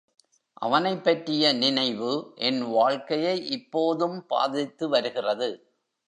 அவனைப் பற்றிய நினைவு என் வாழ்க்கையை இப்போதும் பாதித்து வருகிறது.